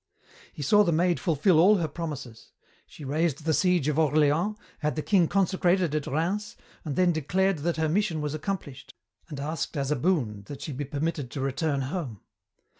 "He saw the Maid fulfil all her promises. She raised the siege of Orléans, had the king consecrated at Rheims, and then declared that her mission was accomplished and asked as a boon that she be permitted to return home.